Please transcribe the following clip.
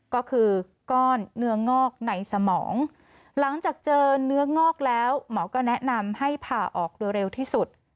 ก็คือก้อนเนื้องอกในสมองหลังจากเจอเนื้องอกแล้วหมอก็แนะนำให้ผ่าออกโดยเร็วที่สุด